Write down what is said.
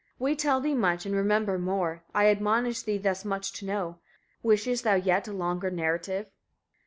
31. We tell thee much, and remember more: I admonish thee thus much to know. Wishest thou yet a longer narrative?